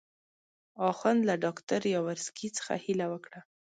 اخند له ډاکټر یاورسکي څخه هیله وکړه.